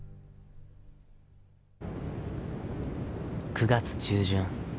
９月中旬。